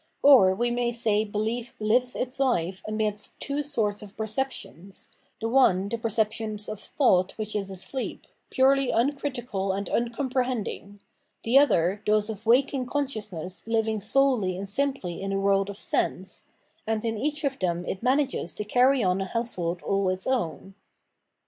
Or we may say behef hves its hfe amidst two sorts of perceptions, the one the percep tions of thought which is asleep, purely uncritical and imcomprehending, the other those of waking conscious ness hving solely and simply in the world of sense; and in each of them it manages to carry on a household aU its own.